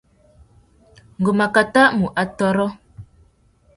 Ngu mà kutu mù atôrô.